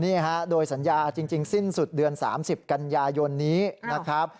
นี่ฮะโดยสัญญาจริงสิ้นสุดเดือน๓๐กันยายนนี้นะครับ